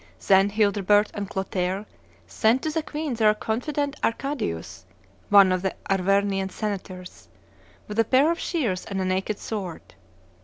Then Childebert and Clotaire sent to the queen their confidant Arcadius (one of the Arvernian senators), with a pair of shears and a naked sword.